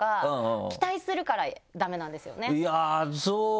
いやぁそう。